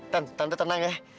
tante tenang ya